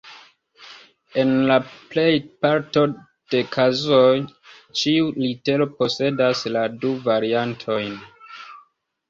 En la plej parto de kazoj, ĉiu litero posedas la du variantojn.